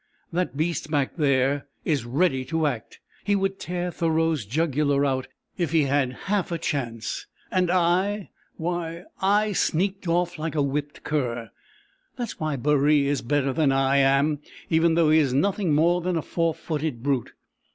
That beast back there is ready to act. He would tear Thoreau's jugular out if he had half a chance. And I ... why, I sneaked off like a whipped cur. That's why Baree is better than I am, even though he is nothing more than a four footed brute.